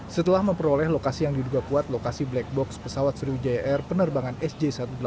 setelah memperoleh lokasi yang diduga kuat lokasi black box pesawat sriwijaya air penerbangan sj satu ratus delapan puluh